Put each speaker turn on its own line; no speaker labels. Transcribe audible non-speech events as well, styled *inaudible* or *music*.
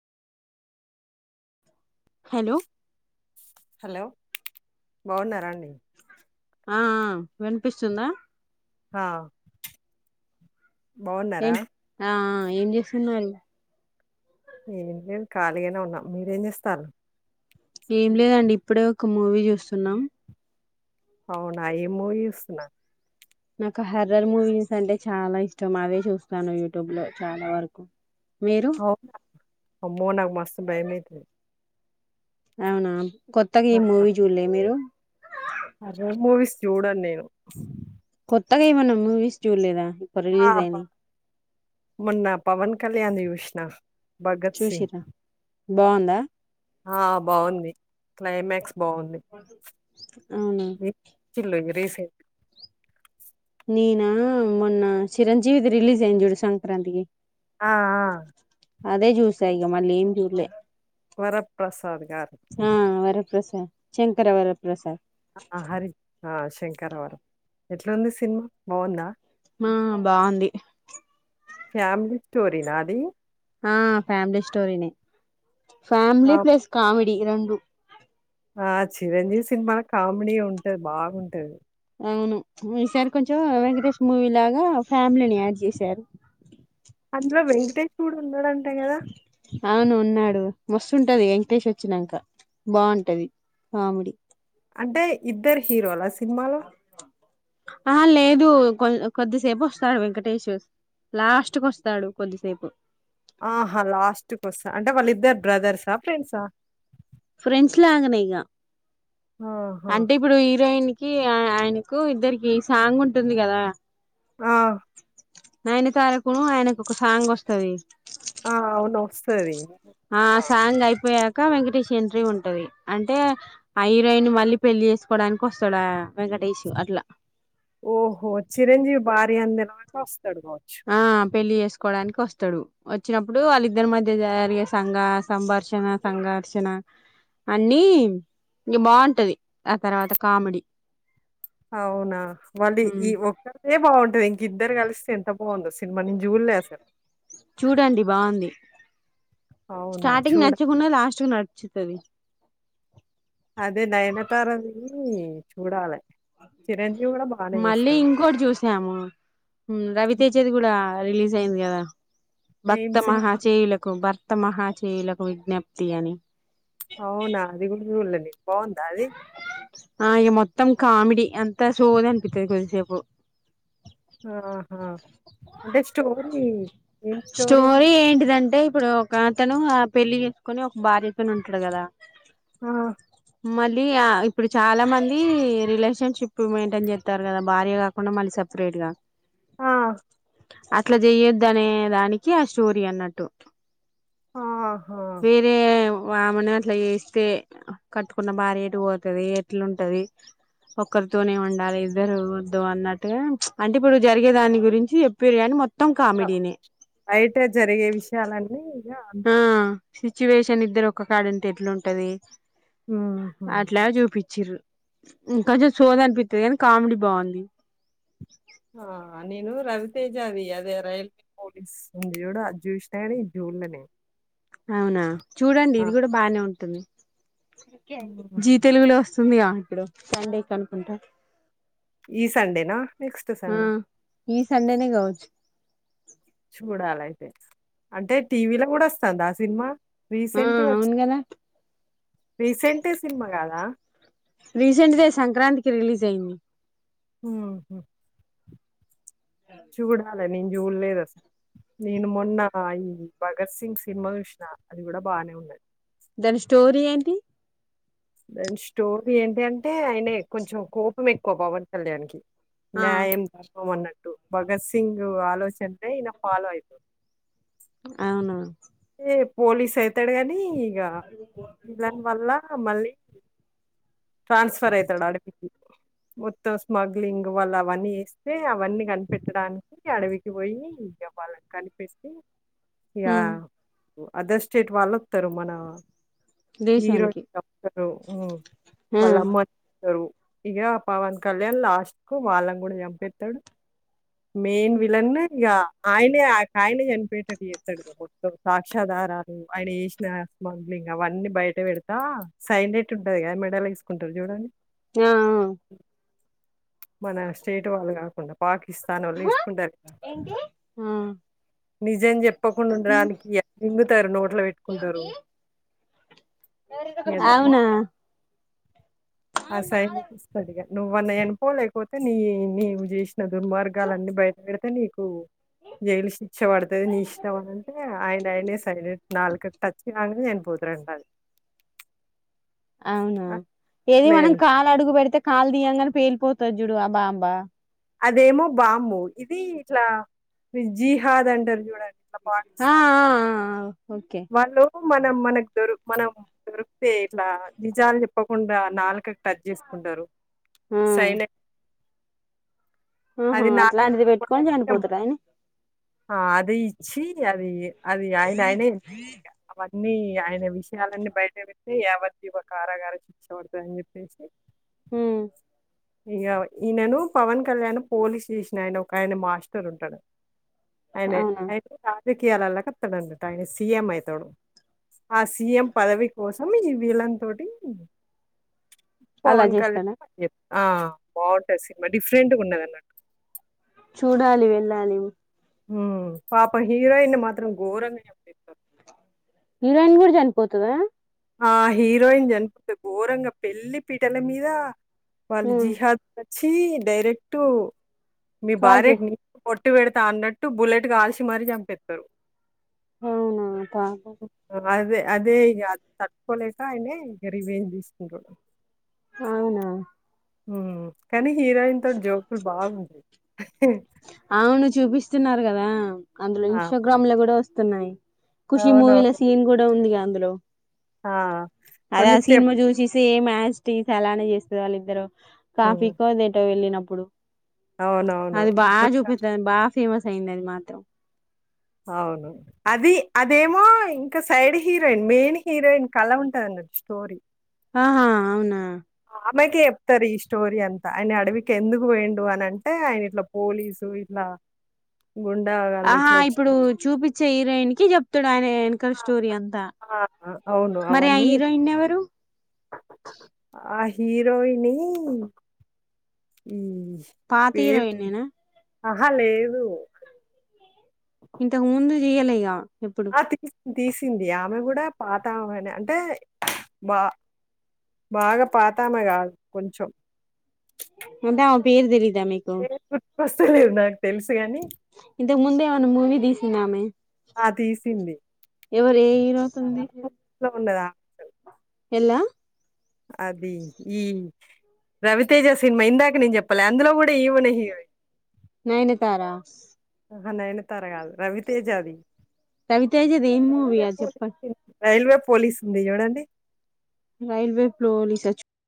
Hello
hello బాగున్నారాండి
ఆ వినిపిస్తుందా
హా
ఏం ఆ ఏం చేస్తున్నారు
ఏం లేదు ఖాళీగానే ఉన్నాం మీరేం చేస్తారు
ఏం లేదండి ఇప్పుడే ఒక మూవీ చూస్తున్నాం
అవునా ఎం మూవిచుతున్న
నాకు హర్రర్ మూవీస్ అంటే చాలా ఇష్టం అవే చూస్తాను యూట్యూబ్ లో చాలా వరకు మీరు
అవు అమో నాకు మస్త భయంమైతుది
అవునా కొత్తగా ఈ మూవీ చూడలే మీరు
చూడంను నేను
కొత్తగా ఎమ్ మూవీస్ చుడలేధ
ఆ మొన్న పవన్ కళ్యాణ్ యూష్ణ భగత్ సింగ్
చూసిరా బాగుందా
ఆ బాగుంది క్లైమాక్స్ బాగుంది
అవునా
ఇలు ఇ రేస *unintelligible*
నా మొన్న చిరంజీవిది రిలీజ అయింది చూడు సంక్రాంతికి
ఆ ఆ
అదే చూసా ఇక మళ్ళీ ఏం చూలే
వరప్రసాద్ గారు
ఆ వరప్రసా శంకరవర ప్రసాద్
శంకరావరం ఎట్లాంది సినిమా బాగుందా
ఆ బాగుంది
ఫ్యామలీ స్టోరీనా అది
ఆ ఫ్యామిలీ స్టోరనే
ఆ
ఫ్యామిలీ ప్లస్ కామెడి రెండు
ఆ చిరంజీవి సినిమాలో కామెడీ ఉంటది బాగుంటది
అవును ఈసారి కొంచెం వెంకటేష్ మూవీ లాగా ఫ్యామిలీని యాడ్ చేశారు
అందులో వెంకటేష్ కూడా ఉన్నాడుంటా కదా
అవును ఉన్నాడు మస్తుంటది వెంకటేష్ వచ్చినాక బాగుంటది కామెడీ
అంటే ఇద్దరు హీరోలా సినిమాలో
ఆ లేదు కొ కొద్దిసేపు వస్తాడు వెంకటేష్ లాస్ట్ క వస్తాడు కొద్దిసేపు
ఆహా లాస్ట్కి వస్తా అంటే వాళ్ళిద్దరు బ్రదర్సా ఫ్రెండ్సా
ఫ్రెండ్స్ లాగనే ఇక
ఆహా!
అంటే ఇప్పుడు హీరోయిన్ ఆయనకు ఇద్దరికి సాంగ్ ఉంటుంది కదా
ఆ
నయన తారకును ఆయనకు ఒక సాంగ్ వస్తుంది
ఆ! అవును. వస్తది.
ఆ సంగ అయిపో ఇ వెంకటేష్ ఎంట్రీ ఉంటంది అంటే ఆ హీరోయి ను మళ్ళీ పెళ్లి చేసుకోవడానికి వస్తాడా వె *unintelligible* అట్లా
ఓహో చిరంజీవి బార్య అందిలా
ఆ పెళ్లిసు కోడానికి వస్తాడు వచ్చినప్పుడు వాళ్ళిద్దరి మధ్య జరిగే సంఘ సంఘర్షణ సంఘర్షణ అన్ని ఇంక బాగుంటది ఆ తర్వాత కామెడీ
అవునా మళ్ళీ
ఉమ్
ఈ ఒక్కరదే బావుంటది ఇంక ఇద్దరు కలిస్తే ఎంత బావుందో సిని
చూడండి బావుంది
అవునా!
స్టార్టింగ్
చూడ
నచ్చకున్న లాస్ట్ కు నచ్చుతది
అదే నయనతార దీ చూడాలి చిరంజీవి బానే
మళ్ళీ
చేస్తాడు.
ఇంకోటి జూసాము రవితేజేది కూడా రిలీజ్ అయింది గదా
ఏం
భక్త
సినిమా?
మహాచెయులకు భ క్త మహా చేయులకు విజ్ఞప్తి అని
అవునా అది కూడా చూడలేదు బావుందా అది
ఆ ఇగ మొత్తం కామెడీ అంతా సోది అనిపిత్తది కొద్దిసేపు
ఆహా అంటే స్టోరీ ఏం స్టోరీ అన్నంట్టు
ఇప్పుడు ఒక అతను ఆ పెళ్లి చేసుకొని ఒక భార్యతోన ఉంటాడు కదా
ఆ
మళ్ళీ ఆ ఇప్పుడు చాలా మంది రిలేషన్షిప్ మెయింటైన్ జేత్తరు కదా భార్య కాకుండా మళ్ళీ సెపరేట్ గా
ఆ
అట్లా జేయ్యొద్దు అనే దానికి ఆ స్టోరీ అన్నట్టు
ఆహా!
వేరే వామను అట్లా ఎస్తే కట్టుకున్న భార్య ఎటు పోతుది ఎట్లుంటది ఒక్కరితోనే ఉండాలి ఇద్దరు వద్దు అన్నట్టుగా అంటే ఇప్పుడు జరిగే దాని గురించి చెప్పిరు కానీ మొత్తం
ఇగ
కామెడీనే
బయట జరిగే విషయాలన్నీ ఇగ
ఆ
అందులో ఉన్నాయ్
సిచ్యువేషన్ ఇద్దరు ఒక్క కాడ ఉంటే ఎట్లుంటది అట్లా చూపించ్చిరు ఇంకొంచెం సోది అనిపిత్తది కానీ కామెడీ బాంది
ఆ నేను రవితేజది అదే రైల్ పోలీస్ ఉంది జూడు అది జూసిన గాని ఇది జూడలే నేను
అవునా చూడండి
ఆ!
ఇది కూడా బానే ఉంటుంది
హ్మ్.
జీ తెలుగులో వస్తుంది గా ఇప్పుడు సండే కనుకుంటా
ఈ సండేనా? నెక్స్ట్
ఆ
సండే
ఈ సండేనే కావచ్చు
చూడాలయితే అంటే టీవీలో కూడా వస్తాంద ఆ సినిమా
ఆ
రీసెంట్ గా వ
అవును కదా
రీసెంట్ సినిమా గాదా
రీసెంట్ దే సంక్రాంతికి రిలీజ్ అయింది
హ్మ్ హు చూడాలె నేను జూడలేదు అసలు నేను మొన్న ఈ భగత్ సింగ్ సినిమా చూసిన అది కూడా బానే ఉన్నది
దాని స్టోరీ ఏంటి
దాని స్టోరీ ఏంటింటే అయనే కొంచెం కోపం ఎక్కువ పవన్ కళ్యాణ్ కి
ఆ
నాయం కోసం అన్నట్టు భగత్ సింగ్ ఆలోచనలే ఇయన ఫాలో అయి
అవునా
పోలీస్ అయితాడు కాని ఇగ ఐలన్ వల్ల మళ్ళీ ట్రాన్స్ఫర్ అయితడు ఆడవికి మొత్తం స్మగ్లింగ్ వాళ్ళ అవన్నీ చేస్తే అవన్నీ కనిపెట్టడానికి అడవికి పోయి ఇగ వాళ్ళని కనిపెట్టి ఇగ
ఉమ్
అదర్ స్టేట్ వాళ్ళు తరు మన *inaudible* హీరోయి
దేశానికి
*inaudible* మ్మ్
ఆ
వాళ్ళ అమ్మ సరు ఇగ పవన్ కళ్యాణ్ లాస్ట్ కు వాళ్ళని గూడా చంపేత్తడు మెయిన్ విలనే ఇగ ఆయనే ఆయనే చనిపోయేటట్టు చేత్తడు మొత్తం సాక్ష్యాధారాలు ఆయన చేసిన స్మగ్ ఇంగ అవన్నీ బయట పెడతా సైనేట్ ఉంటది కదా మెడలో ఎసుకుంటారు చూడండి
ఆ ఆ
మన స్టేట్ వాళ్ళు కాకుండా పాకి స్తాన్ వోళ్ళు ఎసుకుంటారు కద
ఆ
నిజం చెప్ తప్పకుండా ఉండడానికి రింగుతారు నోట్లో పెట్టుకుంటారు
అవునా
ఆ సై ఇస్తందిగా నువ్వన్న ఎనుపో లేకపోతే నీ జష్ దుర్మార్గాల అన్నీ బయటపడత అ నీకు జైలు శిక్ష పడుతుంది నీ ఇష్టం అనింటే ఆయన ఆయనే సై నాలుక టచ్ కాంగను పోతుండి
అవునా ఏది మనం కాలు అడుగు పెడితే కాలు దియ్యంగానే ఫేల్ పోతది జుడు అ బాంబ
అదేమో బాంబు ఇది ఇట్లా జిహాద్ అంటారు చూడాలి ఇట్లా
ఆ ఆ
పాటిస్తారు
ఆ ఓకే
వాళ్ళు మనం మనకు దొ మనం దొరికితే ఇట్లా నిజాలు చెప్పకుండా నాలుక కట్ చేసుకుంటారు
ఆ
సైన
ఆహా అట్లాంటిది పెట్టుకొని చనిపోతారు అయని
ఆ అది ఇచ్చి అది అది ఆయన ఆయన అన్ని ఆయన విషయాలన్నీ బయట పెడితే ఎవరిది ఒక కారాగార చూచ్చబడుతుంది అని చెప్పేసి
హ్మ్మ్
ఇక ఈయనను పవన్ కళ్యాణ్ పోలీస్ స్టేషన్ ఆయన ఒక ఆయన మాస్టర్ ఉంటాడు ఆయన
అవునా
ఆయన రాజకీయాలలో కతాడండిట ఆయన సీఎం అయితాడు ఆ సీఎం పదవి కోసం ఈ విలన్ తోటి
అలా
పవన్
చేస్తాడా
కళ్యాణ్ ఆ బాగుంటాంది సినిమా డిఫరెంట్గా ఉన్నది అన్నట్టు
చూడాలి వెళ్ళాలి
పాపం హీరోయిన్ మాత్రం ఘోరంగా చంపేస్థారు
హీరోయిన్ కూడా చనిపోతుందా
ఆ హీరోయిన్ చనిపోతు ఘోరంగా పెళ్లి పిటల మీద వాళ జిహదోచి డైరెక్ట్ మీ
కాల్
భార్య
చే
కి పో చట్టు పెడతా అన్నట్టు బుల్లెట్ కాల్సి మరీ చంపేస్తారు
అవునా పాపం
అదే అదే ఇక అది తట్టుకోలేక ఆయనే రీజియన్ తీసుకుంటాడు
అవునా
కానీ హీరోయిన్ తోటి జోకులు బాగుంది
అవును చూపిస్తున్నారు కదా అందులో
ఆ!
ఇన్స్టాగ్రామ్ లో కూడా వస్తున్నాయి ఖుషి మూవీల
అవునవును.
సీన్ కూడా ఉందిగా అందులో
ఆ!
అదే
కొన్ని
ఆ
స్టెప్
సినిమా చూసేసి సేమ్ యా టీస్ అలానే చేస్తుంది వాళ్ళ ఇద్దరు కాఫీ
హ్మ్.
కోదటో వెళ్ళినప్పుడు
అవునవును
చూపిస్తుంది బాగా ఫేమస్ అయింది అది మాత్రం
అవును అది అదేమో ఇంకా సైడ్ హీరోయిన్ మెయిన్ హీరోయిన్ కళ ఉంటందండి స్టోరి
ఆహా అవునా
ఆ మైకి చెప్తారు ఈ స్టోరీ అంతా ఆయన అడవికి ఎందుకు పోయిండు అని అంటే ఆయన ఇట్లా పోలీసు ఇట్లా గుండా వాళ్ళు
ఆహా
ఇట్లా వచ్చి
ఇప్పుడు చూపచ్చే హీరోయిన్ కి చెప్తాడు ఆయన వెనకాల
ఆ!
స్టోరీ అంతా
ఆ! అవును.
మరి ఆ
అవన్నీ
హీరోయిన్ ఎవరు
ఆ హీరోయిని
పాత హీరోయిన్ ఏనా
ఆహా లేదు
ఇంతక ముందు చేయాలి ఇగ
ఆ తీసి తీసింది ఆమె కూడా పాత ఆమెని అంటే బా బాగా పాతామే కాదు కొంచెం
అంటే ఆమె పేరు తెలీదా మీకు
ఏం గుర్తుకోస్తలేదు నాకు తెలుసు గాని
ఇంతకు ముందు ఏవన్నా మూవి తీసిందామే
ఆ తీసింది చాలా
హీరోతుంది
మూవీస్ లో ఉన్నది ఆమె
ఎలా
అది ఈ రవితేజ సినిమా ఇందాక నేను చెప్పాలే అందులో కూడా ఈవనే హీరోయిన్
నైనతారా
ఆహా నైనా తార గాదు రవితేజాది
తవితేజది ఏ మూవీ ఆ చెప్ప
పోలీస్' ఉంది. రైల్వే పోలీస్ ఉంది చూడండి
రైల్వే ఫ్లోలి సచ్